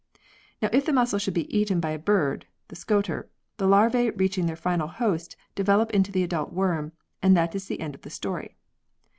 Now, if the mussel should be eaten by a bird the Scoter the larvae reaching their final host develop into the adult worm, and that is the end of the story.